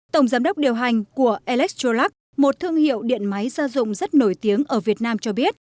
tổng giám đốc điều hành của electrolux một thương hiệu điện máy gia dụng rất nổi tiếng ở việt nam cho biết